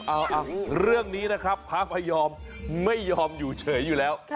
เอาเรื่องนี้นะครับพระพยอมไม่ยอมอยู่เฉยอยู่แล้ว